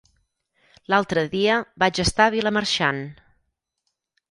L'altre dia vaig estar a Vilamarxant.